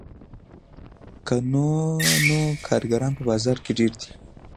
که نه نو کارګران په بازار کې ډېر دي